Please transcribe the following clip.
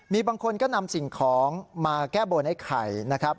มีบางคนก็นำสิ่งของมาแก้บนไอ้ไข่นะครับ